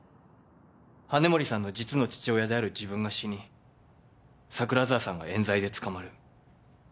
羽森さんの実の父親である自分が死に桜沢さんが冤罪で捕まる。